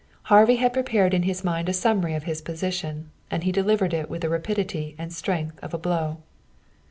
Harvey had prepared in his mind a summary of his position, and he delivered it with the rapidity and strength of a blow.